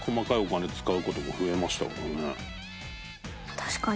確かに。